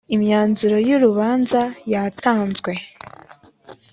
imyanzuro y urubanza yatanzwe